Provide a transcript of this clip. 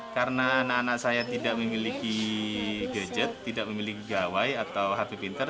karena anak anak saya tidak memiliki gadget tidak memiliki gawai atau hp pinter